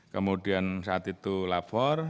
kemudian saat itu lapor